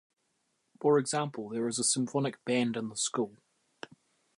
For example, there is a symphonic band in the school.